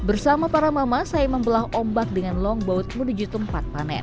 bersama para mama saya membelah ombak dengan longboat menuju tempat panen